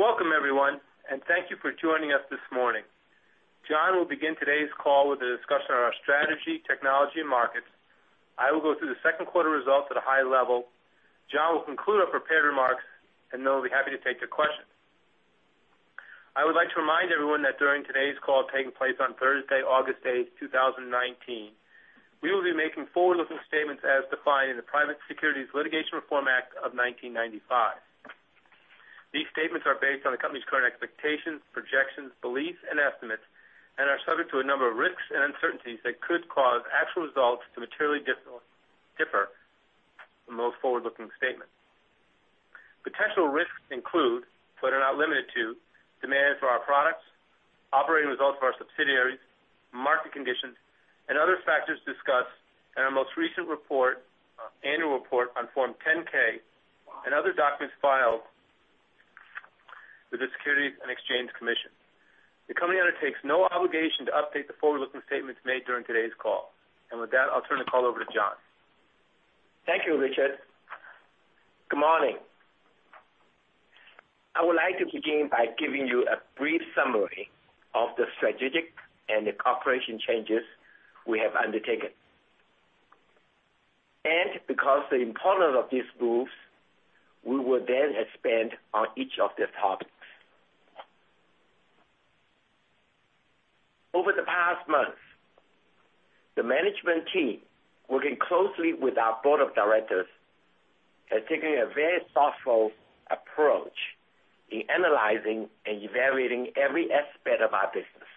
Welcome everyone, thank you for joining us this morning. John will begin today's call with a discussion on our strategy, technology, and markets. I will go through the second quarter results at a high level. John will conclude our prepared remarks, we'll be happy to take your questions. I would like to remind everyone that during today's call taking place on Thursday, August 8th, 2019, we will be making forward-looking statements as defined in the Private Securities Litigation Reform Act of 1995. These statements are based on the company's current expectations, projections, beliefs, and estimates, are subject to a number of risks and uncertainties that could cause actual results to materially differ from those forward-looking statements. Potential risks include, but are not limited to, demand for our products, operating results of our subsidiaries, market conditions, and other factors discussed in our most recent report, annual report on Form 10-K and other documents filed with the Securities and Exchange Commission. The company undertakes no obligation to update the forward-looking statements made during today's call. With that, I'll turn the call over to John. Thank you, Richard. Good morning. I would like to begin by giving you a brief summary of the strategic and the cooperation changes we have undertaken. Because the importance of these moves, we will then expand on each of the topics. Over the past months, the management team, working closely with our board of directors, has taken a very thoughtful approach in analyzing and evaluating every aspect of our business.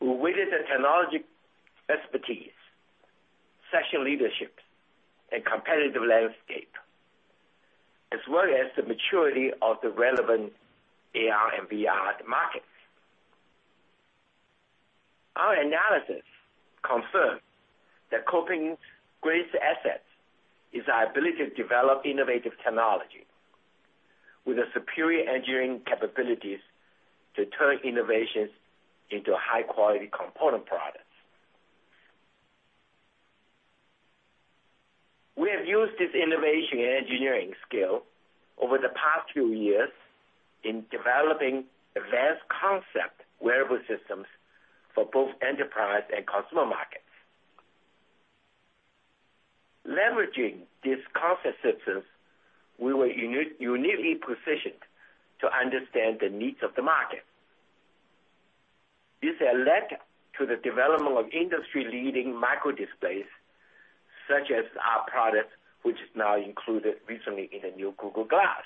We weighed the technology expertise, session leadership, and competitive landscape, as well as the maturity of the relevant AR and VR markets. Our analysis confirmed that Kopin's greatest asset is our ability to develop innovative technology with the superior engineering capabilities to turn innovations into high-quality component products. We have used this innovation and engineering skill over the past few years in developing advanced concept wearable systems for both enterprise and consumer markets. Leveraging these concept systems, we were uniquely positioned to understand the needs of the market. This led to the development of industry-leading microdisplays, such as our product, which is now included recently in the new Google Glass.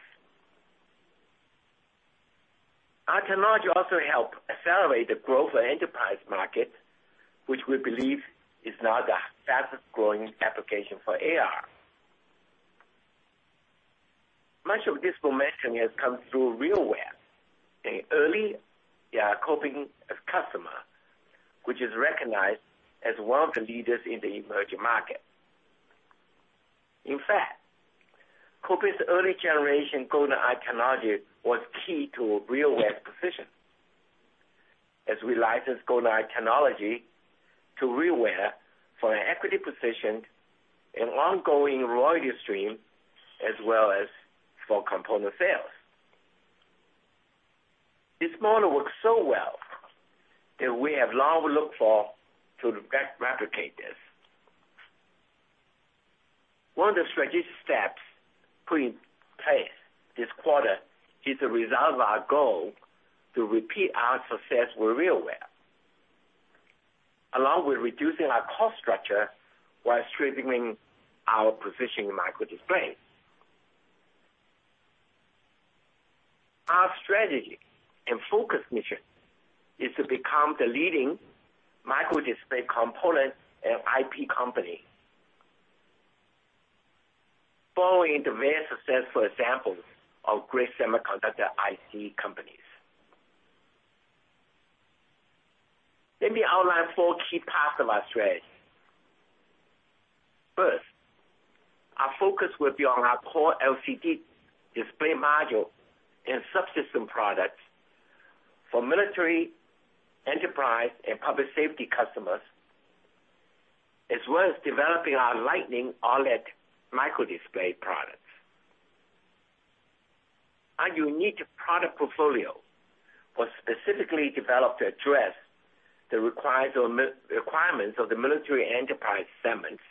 Our technology also helped accelerate the growth of enterprise markets, which we believe is now the fastest-growing application for AR. Much of this momentum has come through RealWear, an early Kopin customer, which is recognized as one of the leaders in the emerging market. In fact, Kopin's early generation Golden-i technology was key to RealWear's position, as we licensed Golden-i technology to RealWear for an equity position and ongoing royalty stream, as well as for component sales. This model works so well that we have long looked for to replicate this. One of the strategic steps put in place this quarter is the result of our goal to repeat our success with RealWear, along with reducing our cost structure while strengthening our position in microdisplays. Our strategy and focus mission is to become the leading microdisplay component and IP company. Following the very successful examples of great semiconductor IC companies. Let me outline four key parts of our strategy. First, our focus will be on our core LCD display module and subsystem products for military, enterprise, and public safety customers, as well as developing our Lightning OLED microdisplay products. Our unique product portfolio was specifically developed to address the requirements of the military enterprise segments,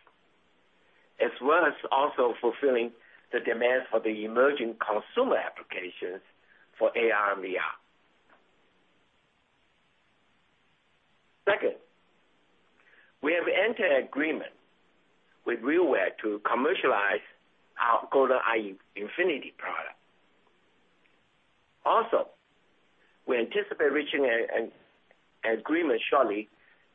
as well as also fulfilling the demands for the emerging consumer applications for AR and VR. Second, we have entered an agreement with RealWear to commercialize our Golden-i Infinity product. Also, we anticipate reaching an agreement shortly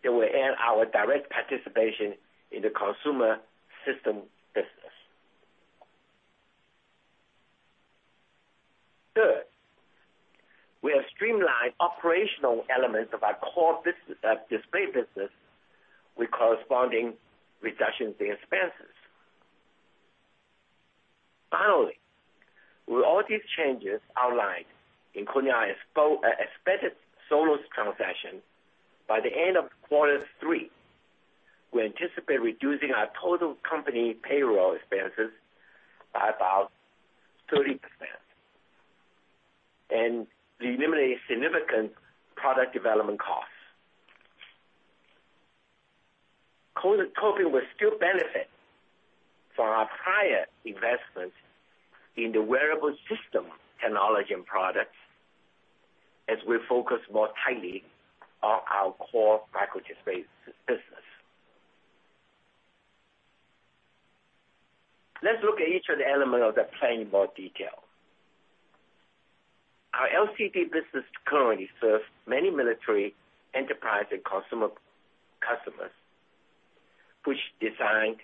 that will end our direct participation in the consumer system business. Third, we have streamlined operational elements of our core display business with corresponding reductions in expenses. Finally, with all these changes outlined, including our expected Solos transaction by the end of quarter three. We anticipate reducing our total company payroll expenses by about 30% and eliminate significant product development costs. Kopin will still benefit from our prior investments in the wearable system technology and products as we focus more tightly on our core microdisplay space business. Let's look at each of the elements of the plan in more detail. Our LCD business currently serves many military, enterprise, and customers, which design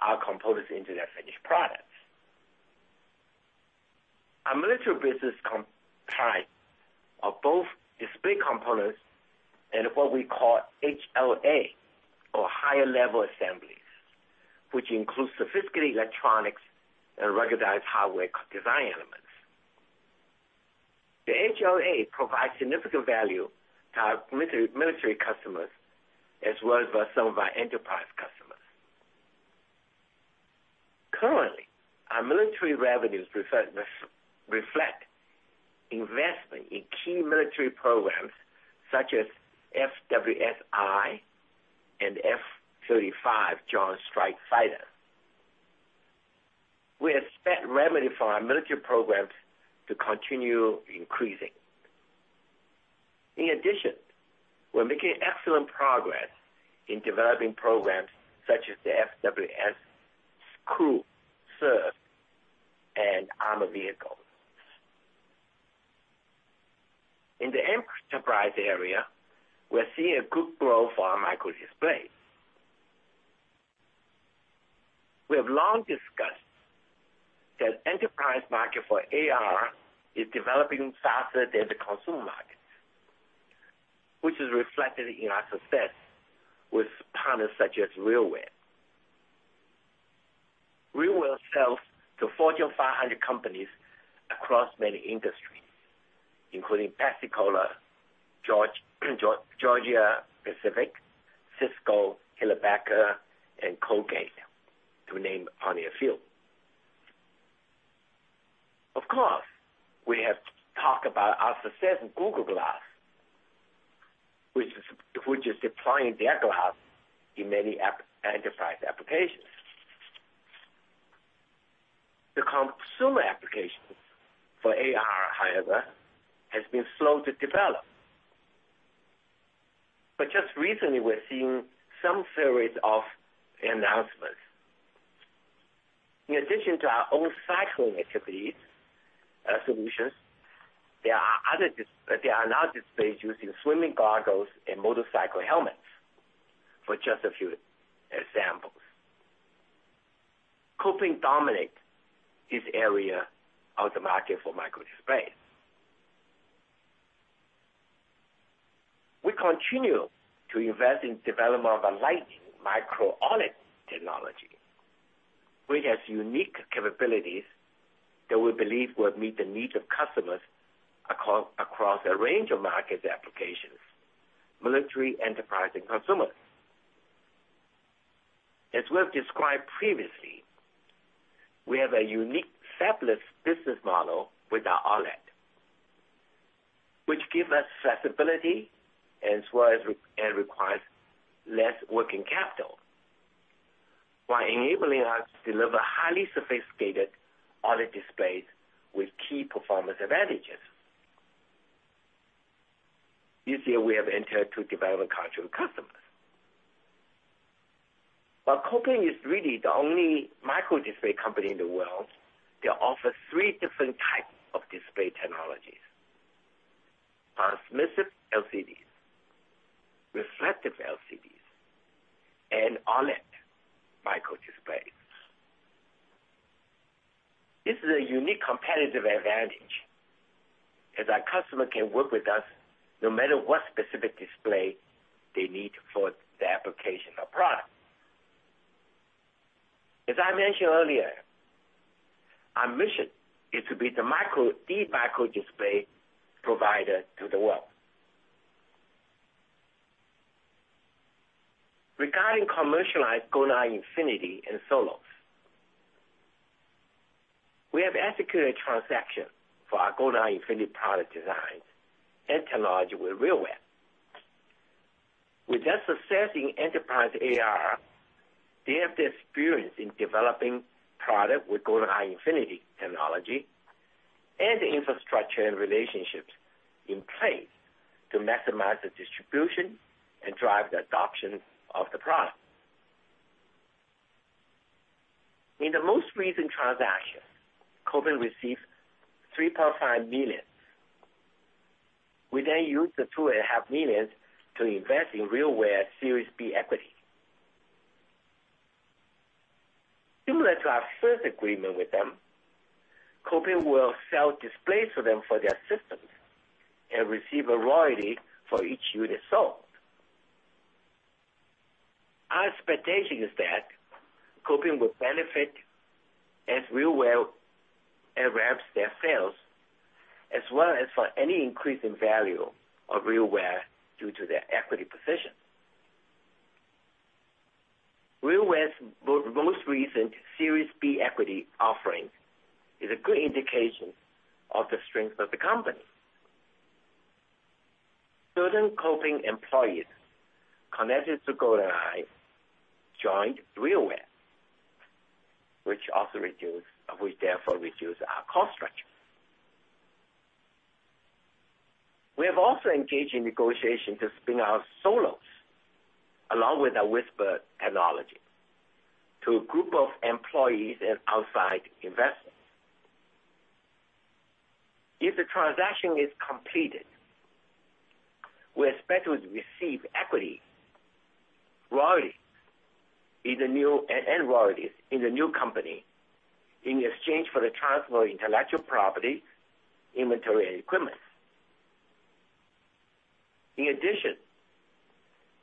our components into their finished products. Our military business comprise of both display components and what we call HLA or higher level assemblies, which include sophisticated electronics and recognized hardware design elements. The HLA provides significant value to our military customers, as well as for some of our enterprise customers. Currently, our military revenues reflect investment in key military programs such as FWS-I and F-35 Joint Strike Fighter. We expect revenue for our military programs to continue increasing. In addition, we're making excellent progress in developing programs such as the FWS Crew Served and armor vehicles. In the enterprise area, we are seeing a good growth for our microdisplay. We have long discussed that enterprise market for AR is developing faster than the consumer market, which is reflected in our success with partners such as RealWear. RealWear sells to Fortune 500 companies across many industries, including Pepsi-Cola, Georgia-Pacific, Cisco, [Hillbacker], and Colgate, to name only a few. Of course, we have talked about our success with Google Glass, which is deploying their glass in many enterprise applications. The consumer applications for AR, however, has been slow to develop. Just recently, we're seeing some series of announcements. In addition to our own cycling solutions, there are now displays using swimming goggles and motorcycle helmets, for just a few examples. Kopin dominates this area of the market for microdisplays. We continue to invest in development of a Lightning micro-OLED technology, which has unique capabilities that we believe will meet the needs of customers across a range of market applications, military, enterprise, and consumers. As we have described previously, we have a unique fabless business model with our OLED, which give us flexibility and requires less working capital while enabling us to deliver highly sophisticated OLED displays with key performance advantages. This year, we have entered to development contract with customers. Kopin is really the only microdisplay company in the world that offers 3 different types of display technologies, transmissive LCDs, reflective LCDs, and OLED microdisplays. This is a unique competitive advantage, as our customer can work with us no matter what specific display they need for their application or product. As I mentioned earlier, our mission is to be the microdisplay provider to the world. Regarding commercialized Golden-i Infinity and Solos. We have executed a transaction for our Golden-i Infinity product designs and technology with RealWear. With their success in enterprise AR, they have the experience in developing product with Golden-i Infinity technology and the infrastructure and relationships in place to maximize the distribution and drive the adoption of the product. In the most recent transaction, Kopin received $3.5 million. We used the two and a half million to invest in RealWear Series B equity. Similar to our first agreement with them, Kopin will sell displays to them for their systems and receive a royalty for each unit sold. Our expectation is that Kopin will benefit as RealWear ramps their sales as well as for any increase in value of RealWear due to their equity position. RealWear's most recent Series B equity offering is a good indication of the strength of the company. Certain Kopin employees connected to Golden-i joined RealWear, which therefore reduced our cost structure. We have also engaged in negotiation to spin out Solos, along with our Whisper technology, to a group of employees and outside investors. If the transaction is completed, we expect to receive equity and royalties in the new company in exchange for the transfer of intellectual property, inventory, and equipment.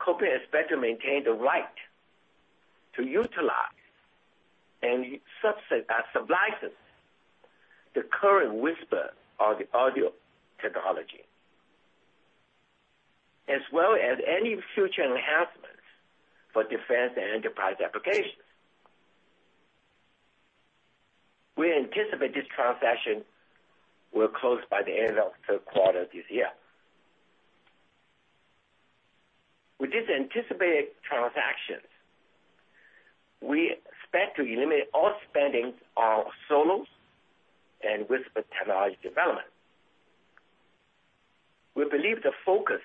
In addition, Kopin expects to maintain the right to utilize and subset that supplies us the current Whisper or the audio technology, as well as any future enhancements for defense and enterprise applications. We anticipate this transaction will close by the end of the third quarter this year. With this anticipated transaction, we expect to eliminate all spending on Solos and Whisper technology development. We believe the focus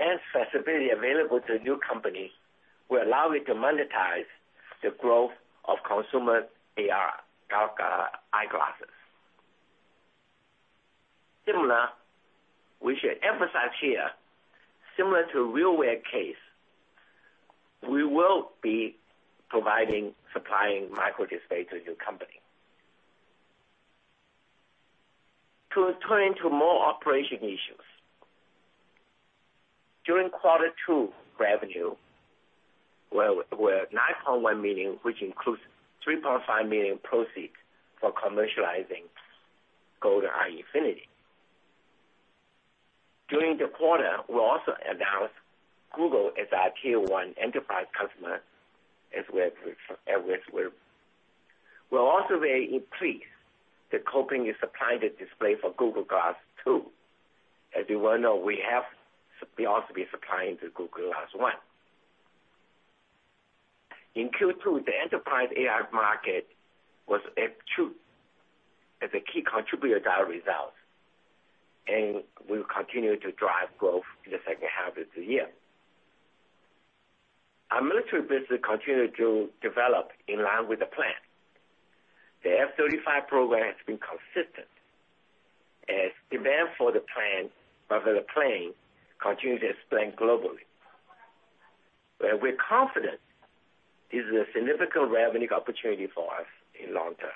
and flexibility available to the new company will allow it to monetize the growth of consumer AR eyeglasses. Similar, we should emphasize here, similar to RealWear case, we will be supplying microdisplay to the new company. To turn to more operation issues. During quarter two, revenue were at $9.1 million, which includes $3.5 million proceeds for commercializing Golden-i Infinity. During the quarter, we also announced Google as our tier 1 enterprise customer, as well. We're also very pleased that Kopin is supplying the display for Google Glass 2. As you well know, we have also been supplying to Google Glass 1. In Q2, the enterprise AR market was F2 as a key contributor to our results, and will continue to drive growth in the second half of the year. Our military business continued to develop in line with the plan. The F-35 program has been consistent, as demand for the plane continues to expand globally. We're confident this is a significant revenue opportunity for us in long term.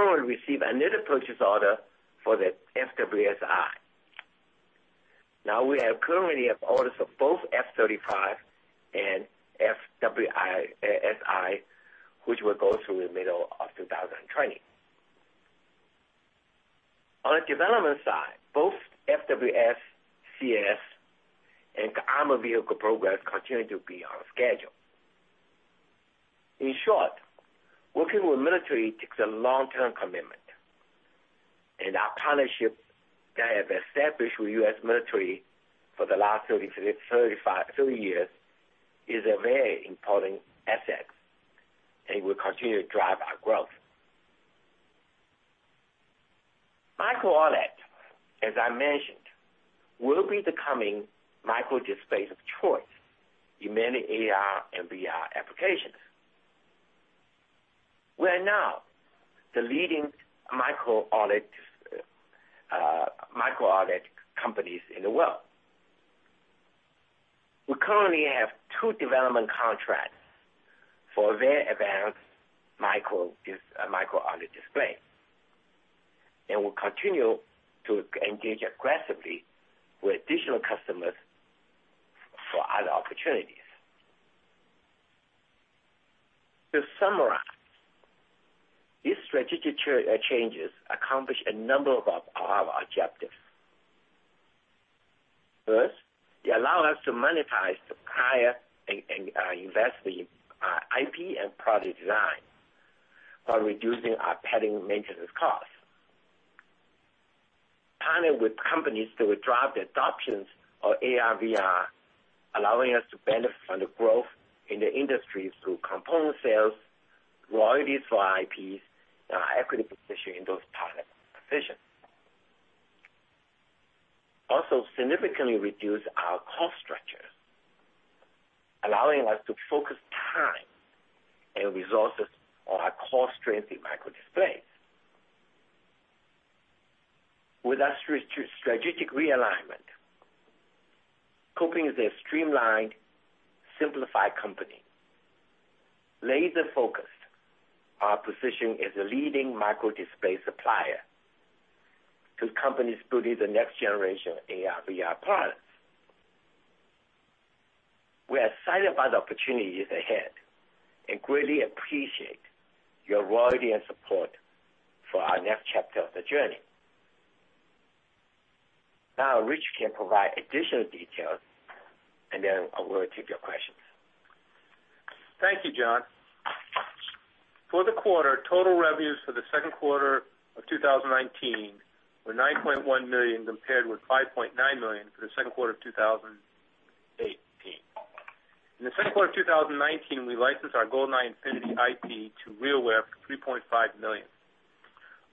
We currently receive another purchase order for the FWS-i. We currently have orders for both F-35 and FWS-i, which will go through the middle of 2020. On the development side, both FWS-CS and armored vehicle programs continue to be on schedule. In short, working with U.S. Military takes a long-term commitment, and our partnership that have established with U.S. Military for the last 30 years is a very important asset, and will continue to drive our growth. Micro-OLED, as I mentioned, will be the coming microdisplay of choice in many AR and VR applications. We are now the leading Micro-OLED companies in the world. We currently have two development contracts for very advanced Micro-OLED display, and we'll continue to engage aggressively with additional customers for other opportunities. To summarize, these strategic changes accomplish a number of our objectives. First, they allow us to monetize supplier and invest the IP and product design while reducing our patent maintenance costs. Partner with companies to drive the adoptions of AR/VR, allowing us to benefit from the growth in the industry through component sales, royalties for IPs, and our equity position in those partner positions. Also, significantly reduce our cost structures, allowing us to focus time and resources on our core strength in microdisplays. With our strategic realignment, Kopin is a streamlined, simplified company, laser-focused on positioning as a leading microdisplay supplier to companies building the next generation AR/VR products. We are excited about the opportunities ahead and greatly appreciate your loyalty and support for our next chapter of the journey. Now, Rich can provide additional details, and then I will take your questions. Thank you, John. For the quarter, total revenues for the second quarter of 2019 were $9.1 million compared with $5.9 million for the second quarter of 2018. In the second quarter of 2019, we licensed our Golden-i Infinity IP to RealWear for $3.5 million.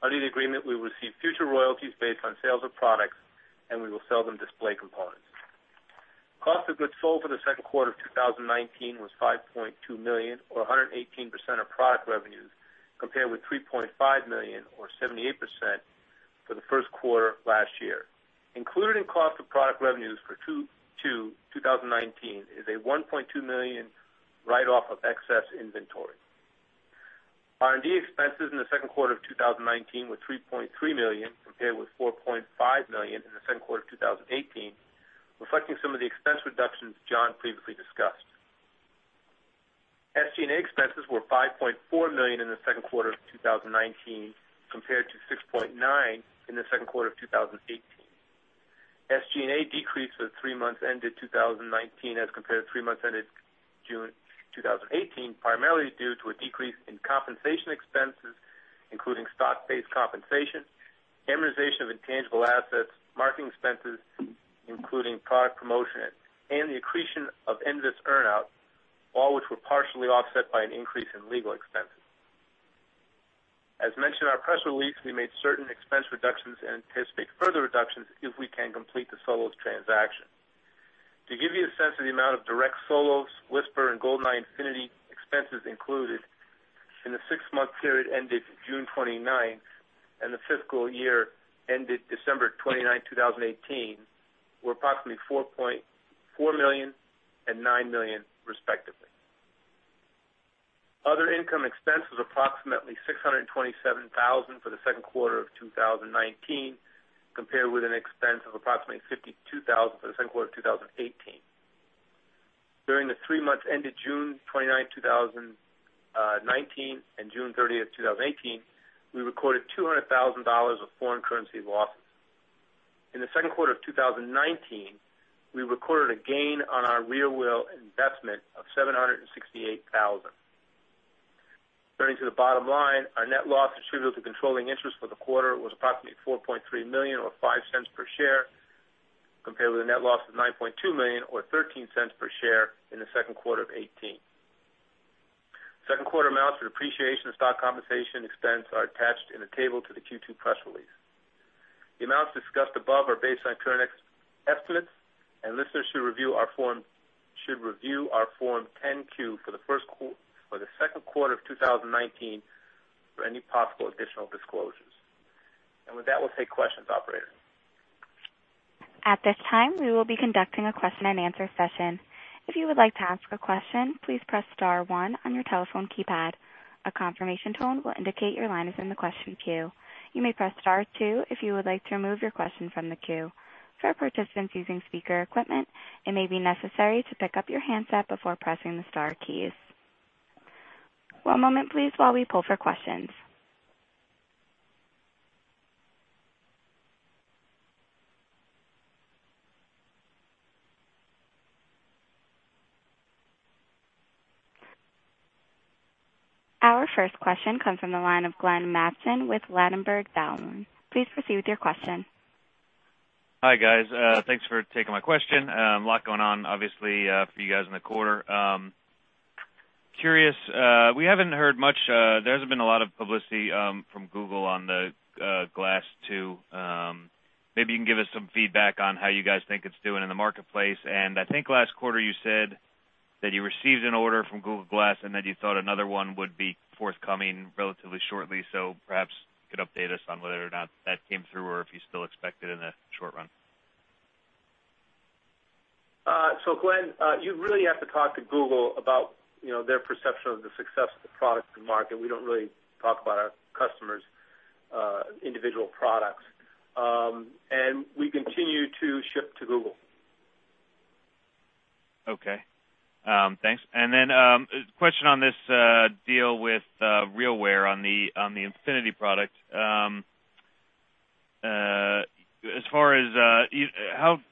Under the agreement, we receive future royalties based on sales of products, and we will sell them display components. Cost of goods sold for the second quarter of 2019 was $5.2 million, or 118% of product revenues, compared with $3.5 million or 78% for the first quarter of last year. Included in cost of product revenues for Q2 2019 is a $1.2 million write-off of excess inventory. R&D expenses in the second quarter of 2019 were $3.3 million, compared with $4.5 million in the second quarter of 2018, reflecting some of the expense reductions John previously discussed. SG&A expenses were $5.4 million in the second quarter of 2019, compared to $6.9 million in the second quarter of 2018. SG&A decrease for the three months ended 2019 as compared to three months ended June 2018, primarily due to a decrease in compensation expenses, including stock-based compensation, amortization of intangible assets, marketing expenses, including product promotion, and the accretion of NVIS earn-out, all which were partially offset by an increase in legal expenses. As mentioned in our press release, we made certain expense reductions and anticipate further reductions if we can complete the Solos transaction. To give you a sense of the amount of direct Solos, Whisper, and Golden-i Infinity expenses included in the six-month period ended June 29th, and the fiscal year ended December 29, 2018, were approximately $4.4 million and $9 million, respectively. Other income expense was approximately $627,000 for the second quarter of 2019, compared with an expense of approximately $52,000 for the second quarter of 2018. During the three months ended June 29, 2019, and June 30, 2018, we recorded $200,000 of foreign currency losses. In the second quarter of 2019, we recorded a gain on our RealWear investment of $768,000. Turning to the bottom line, our net loss attributable to controlling interest for the quarter was approximately $4.3 million or $0.05 per share, compared with a net loss of $9.2 million or $0.13 per share in the second quarter of 2018. Second quarter amounts for depreciation and stock compensation expense are attached in a table to the Q2 press release. The amounts discussed above are based on current estimates, and listeners should review our Form 10-Q for the second quarter of 2019 for any possible additional disclosures. With that, we'll take questions, operator. At this time, we will be conducting a question and answer session. If you would like to ask a question, please press star one on your telephone keypad. A confirmation tone will indicate your line is in the question queue. You may press star two if you would like to remove your question from the queue. For participants using speaker equipment, it may be necessary to pick up your handset before pressing the star keys. One moment, please, while we pull for questions. Our first question comes from the line of Glenn Mattson with Ladenburg Thalmann. Please proceed with your question. Hi, guys. Thanks for taking my question. A lot going on, obviously, for you guys in the quarter. Curious, we haven't heard much. There hasn't been a lot of publicity from Google on the Glass 2. I think last quarter you said that you received an order from Google Glass and that you thought another one would be forthcoming relatively shortly. Perhaps you could update us on whether or not that came through or if you still expect it in the short run. Glenn, you really have to talk to Google about their perception of the success of the product in the market. We don't really talk about our customers' individual products. We continue to ship to Google. Okay. Thanks. Then a question on this deal with RealWear on the Infinity product. How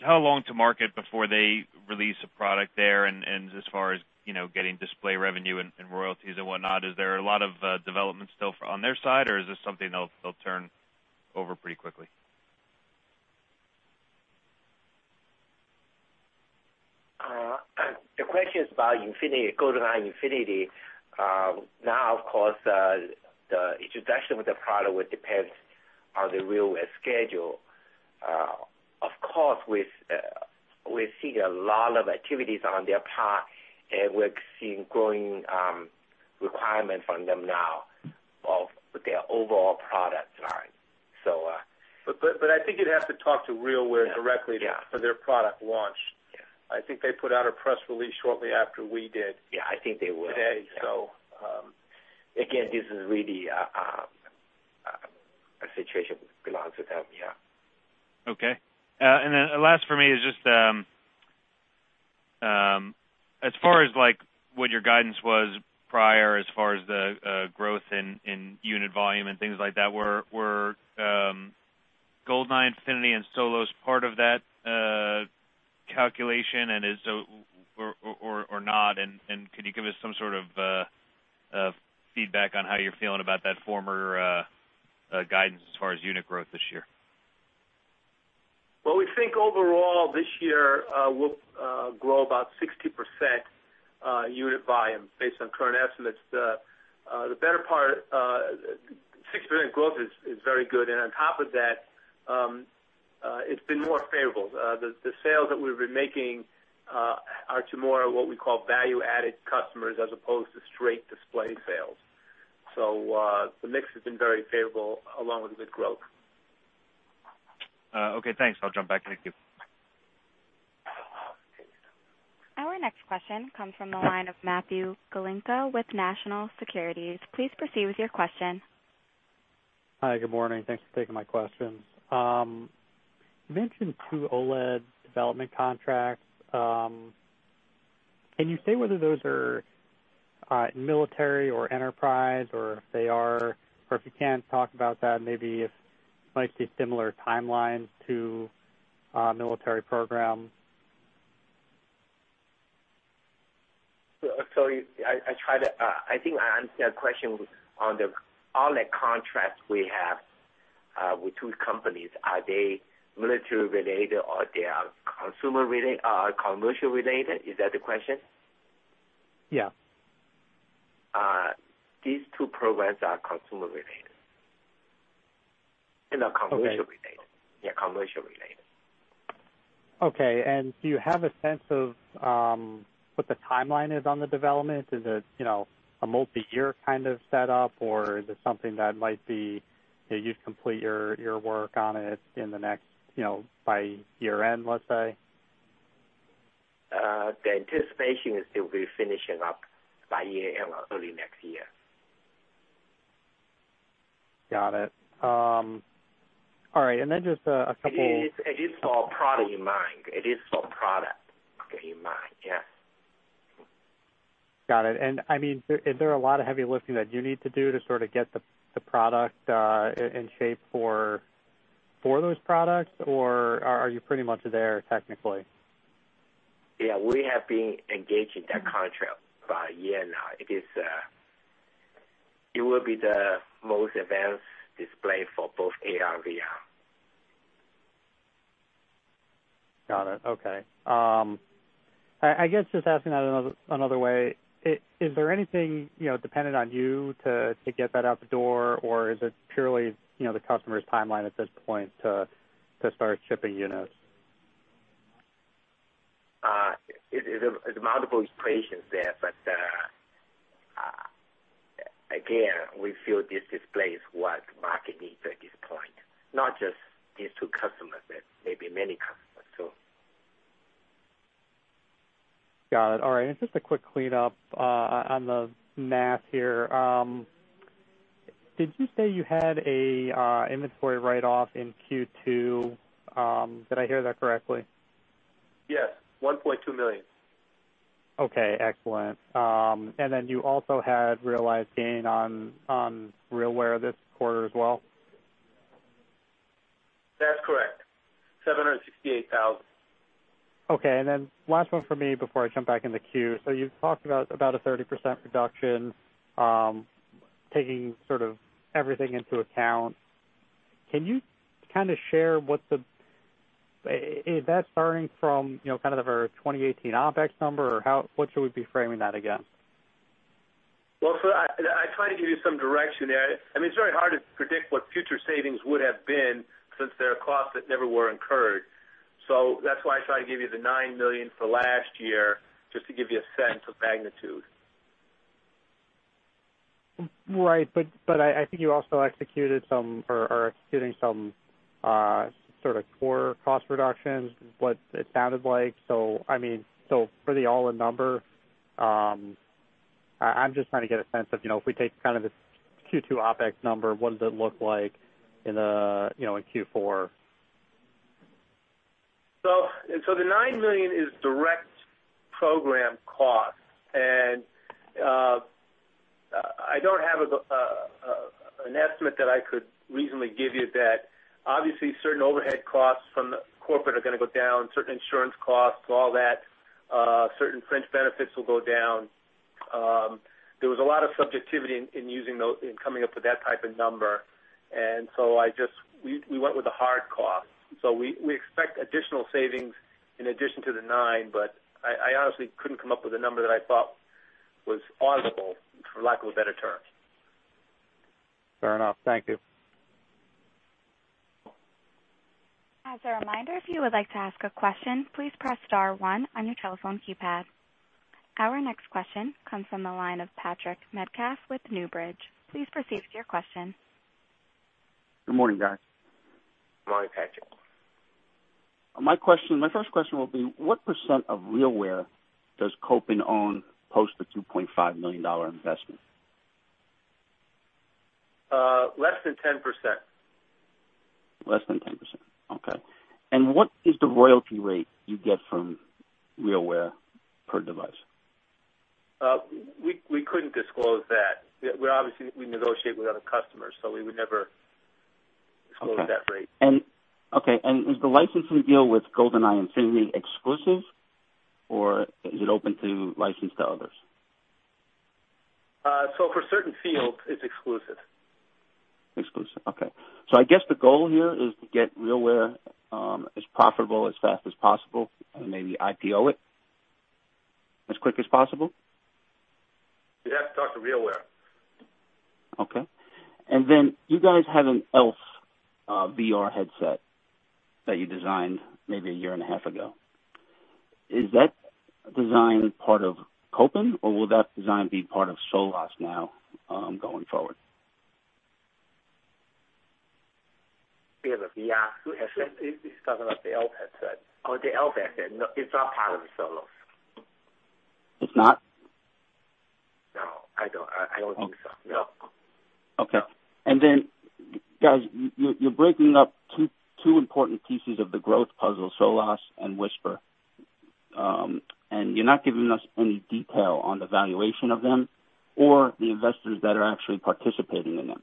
long to market before they release a product there, and as far as getting display revenue and royalties and whatnot, is there a lot of development still on their side, or is this something they'll turn over pretty quickly? The question is about Golden-i Infinity. Now, of course, the introduction of the product will depend on the RealWear schedule. Of course, we're seeing a lot of activities on their part, and we're seeing growing requirement from them now for their overall product line. I think you'd have to talk to RealWear directly. Yeah for their product launch. Yeah. I think they put out a press release shortly after we did. Yeah, I think they would. Okay. again, this is really a Okay. Last for me is just as far as what your guidance was prior as far as the growth in unit volume and things like that, were Golden-i Infinity and Solos part of that calculation or not? Can you give us some sort of feedback on how you're feeling about that former guidance as far as unit growth this year? We think overall this year we'll grow about 60% unit volume based on current estimates. 6 [unsure] growth is very good, and on top of that, it's been more favorable. The sales that we've been making are to more what we call value-added customers as opposed to straight display sales. The mix has been very favorable along with good growth. Okay, thanks. I'll jump back. Thank you. Our next question comes from the line of Matthew Galinko with National Securities. Please proceed with your question. Hi. Good morning. Thanks for taking my questions. You mentioned two OLED development contracts. Can you say whether those are military or enterprise or if you can't talk about that, maybe if might be similar timelines to military program? Sorry. I think I answered that question on the OLED contracts we have with two companies. Are they military related or they are commercial related? Is that the question? Yeah. These two programs are consumer related. Okay commercial related. Yeah, commercial related. Okay. Do you have a sense of what the timeline is on the development? Is it a multi-year kind of setup, or is it something that might be you complete your work on it by year-end, let's say? The anticipation is they'll be finishing up by year end or early next year. Got it. All right. It is for a product in mind. It is for product in mind, yes. Got it. Is there a lot of heavy lifting that you need to do to sort of get the product in shape for those products, or are you pretty much there technically? We have been engaged in that contract for a year now. It will be the most advanced display for both AR and VR. Got it. Okay. I guess just asking that another way, is there anything dependent on you to get that out the door, or is it purely the customer's timeline at this point to start shipping units? It's multiple equations there, but again, we feel this display is what market needs at this point. Not just these two customers, but maybe many customers. Got it. All right. Just a quick cleanup on the math here. Did you say you had an inventory write-off in Q2? Did I hear that correctly? Yes. $1.2 million. Okay, excellent. You also had realized gain on RealWear this quarter as well? That's correct. $768,000. Okay. Last one for me before I jump back in the queue. You talked about a 30% reduction, taking sort of everything into account. Can you kind of share, is that starting from kind of our 2018 OPEX number, or what should we be framing that against? Well, I try to give you some direction there. It's very hard to predict what future savings would have been since there are costs that never were incurred. That's why I try to give you the $9 million for last year, just to give you a sense of magnitude. Right, I think you also executed some or are executing some sort of core cost reductions, is what it sounded like. For the all-in number, I'm just trying to get a sense of if we take kind of the Q2 OPEX number, what does it look like in Q4? The $9 million is direct program cost, and I don't have an estimate that I could reasonably give you that. Obviously, certain overhead costs from the corporate are going to go down, certain insurance costs, all that. Certain fringe benefits will go down. There was a lot of subjectivity in coming up with that type of number, and so we went with the hard cost. We expect additional savings in addition to the nine, but I honestly couldn't come up with a number that I thought was auditable, for lack of a better term. Fair enough. Thank you. As a reminder, if you would like to ask a question, please press star one on your telephone keypad. Our next question comes from the line of Patrick Metcalf with Newbridge. Please proceed with your question. Good morning, guys. Good morning, Patrick. My first question will be what percent of RealWear does Kopin own post the $2.5 million investment? Less than 10%. Less than 10%. Okay. What is the royalty rate you get from RealWear per device? We couldn't disclose that. Obviously, we negotiate with other customers, so we would never disclose that rate. Okay. Is the licensing deal with Golden-i Infinity exclusive or is it open to license to others? For certain fields, it's exclusive. Exclusive. Okay. I guess the goal here is to get RealWear as profitable as fast as possible, and maybe IPO it as quick as possible? You'd have to talk to RealWear. Okay. You guys have an Elf VR headset that you designed maybe a year and a half ago. Is that design part of Kopin, or will that design be part of Solos now, going forward? We have a VR headset? He's talking about the Elf headset. Oh, the Elf headset. No, it's not part of Solos. It's not? No, I don't think so. No. Okay. Guys, you're breaking up two important pieces of the growth puzzle, Solos and Whisper. You're not giving us any detail on the valuation of them or the investors that are actually participating in them.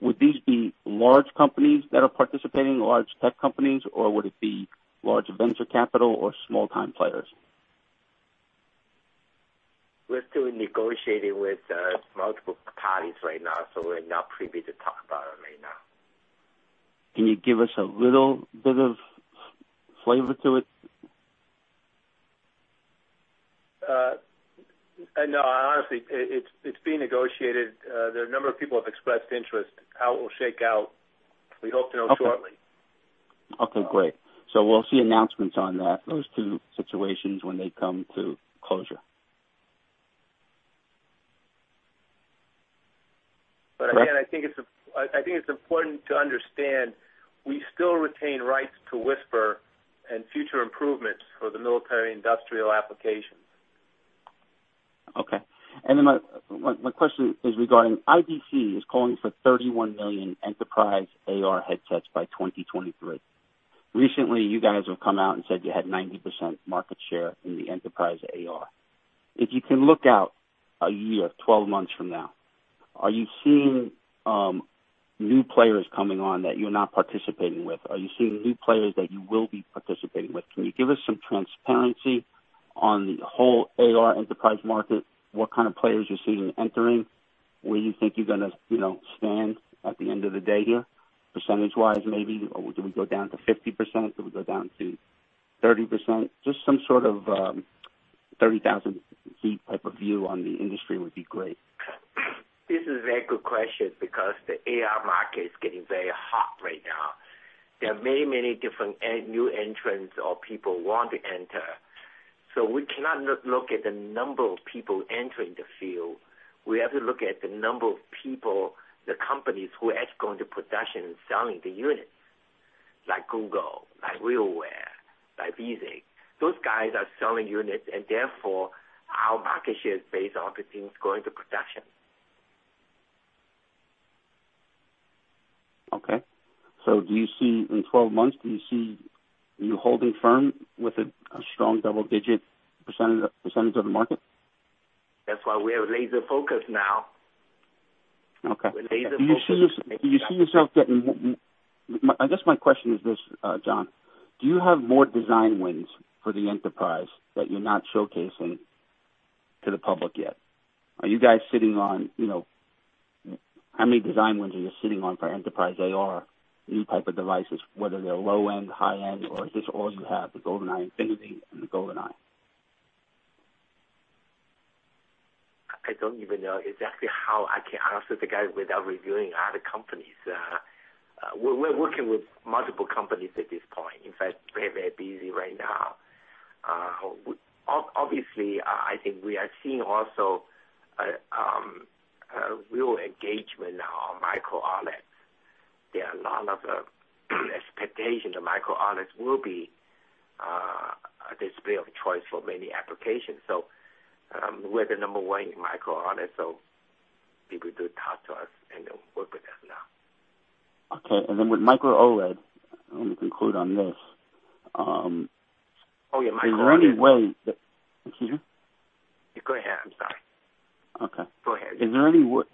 Would these be large companies that are participating, large tech companies, or would it be large venture capital or small-time players? We're still negotiating with multiple parties right now, so we're not privy to talk about it right now. Can you give us a little bit of flavor to it? No. Honestly, it's being negotiated. There are a number of people who have expressed interest. How it will shake out, we hope to know shortly. Okay, great. We'll see announcements on that, those two situations when they come to closure. Again, I think it's important to understand, we still retain rights to Whisper and future improvements for the military industrial applications. Okay. My question is regarding IDC is calling for 31 million enterprise AR headsets by 2023. Recently, you guys have come out and said you had 90% market share in the enterprise AR. If you can look out a year, 12 months from now, are you seeing new players coming on that you're not participating with? Are you seeing new players that you will be participating with? Can you give us some transparency on the whole AR enterprise market, what kind of players you're seeing entering, where you think you're going to stand at the end of the day here, percentage-wise maybe? Do we go down to 50%? Do we go down to 30%? Just some sort of 30,000 feet type of view on the industry would be great. This is a very good question because the AR market is getting very hot right now. There are many different new entrants or people who want to enter. We cannot look at the number of people entering the field. We have to look at the number of people, the companies who actually go into production and selling the units, like Google, like RealWear, like Vuzix. Those guys are selling units and therefore our market share is based on the things going to production. Okay. In 12 months, do you see you holding firm with a strong double-digit % of the market? That's why we are laser-focused now. Okay. We're laser-focused. I guess my question is this, John, do you have more design wins for the enterprise that you're not showcasing to the public yet? Are you guys sitting on, how many design wins are you sitting on for enterprise AR, new type of devices, whether they're low-end, high-end, or is this all you have, the Golden-i Infinity and the Golden-i? I don't even know exactly how I can answer the guy without revealing other companies. We're working with multiple companies at this point. In fact, very busy right now. Obviously, I think we are seeing also a real engagement now on Micro-OLEDs. There are a lot of expectations that Micro-OLEDs will be a display of choice for many applications. We're the number one in Micro-OLED, so people do talk to us and work with us now. Okay, and then with Micro-OLED, let me conclude on this. Oh, yeah, Micro-OLED. Is there any way that? Excuse me? Go ahead, I'm sorry. Okay. Go ahead. Is there any way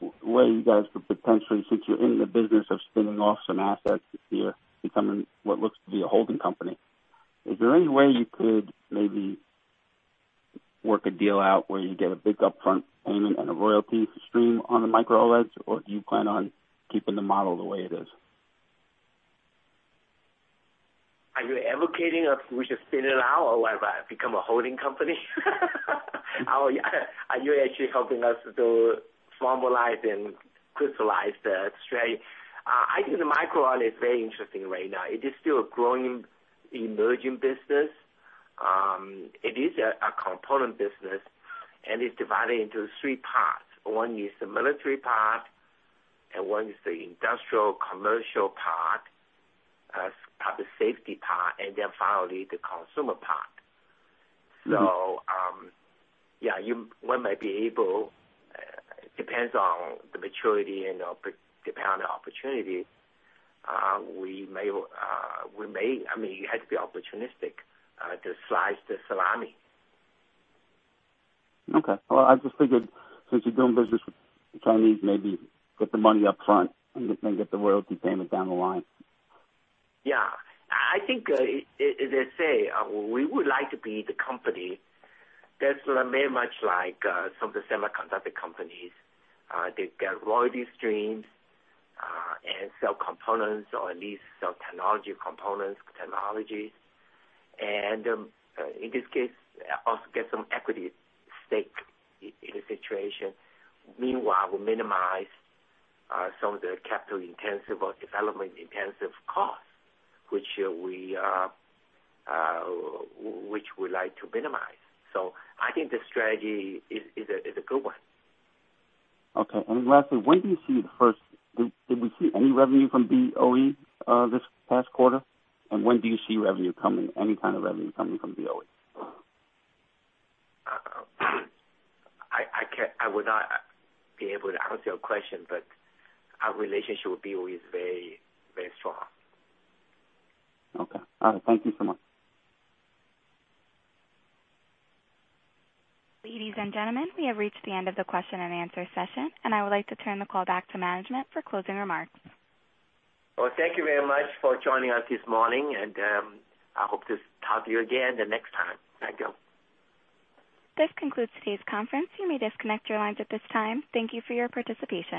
you guys could potentially, since you're in the business of spinning off some assets here, becoming what looks to be a holding company, is there any way you could maybe work a deal out where you get a big upfront payment and a royalty stream on the Micro-OLEDs, or do you plan on keeping the model the way it is? Are you advocating if we should spin it out, or have I become a holding company? Are you actually helping us to formalize and crystallize the strategy? I think the Micro-OLED is very interesting right now. It is still a growing, emerging business. It is a component business, and it's divided into three parts. One is the military part, and one is the industrial commercial part, public safety part, and then finally, the consumer part. Yeah, one might be able, depends on the maturity and depend on the opportunity. We may, I mean, it has to be opportunistic, to slice the salami. Okay. I just figured since you're doing business with Chinese, maybe get the money upfront and then get the royalty payment down the line. Yeah. I think as I say, we would like to be the company that's very much like some of the semiconductor companies. They get royalty streams, and sell components, or at least sell technology components, technologies. In this case, also get some equity stake in the situation. Meanwhile, we minimize some of the capital intensive or development intensive costs, which we like to minimize. I think the strategy is a good one. Okay. Lastly, did we see any revenue from BOE this past quarter? When do you see revenue coming, any kind of revenue coming from BOE? I would not be able to answer your question, but our relationship with BOE is very strong. Okay. All right. Thank you so much. Ladies and gentlemen, we have reached the end of the question and answer session, and I would like to turn the call back to management for closing remarks. Well, thank you very much for joining us this morning, and I hope to talk to you again the next time. Thank you. This concludes today's conference. You may disconnect your lines at this time. Thank you for your participation.